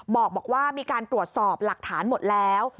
บอกว่ามีการตรวจสอบหลักฐานหมดแล้ว